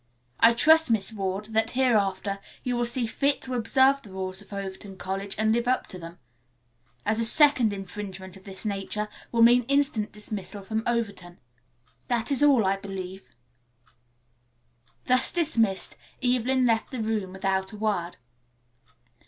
I trust, Miss Ward, that, hereafter, you will see fit to observe the rules of Overton College and live up to them, as a second infringement of this nature will mean instant dismissal from Overton. That is all, I believe." Thus dismissed Evelyn left the room without a word.